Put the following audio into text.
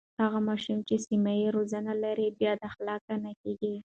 هغه ماشوم چې سمه روزنه لري بد اخلاقه نه کېږي.